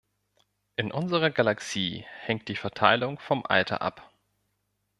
In unserer Galaxie hängt die Verteilung vom Alter ab.